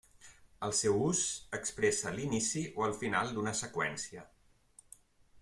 El seu ús expressa l'inici o el final d'una seqüència.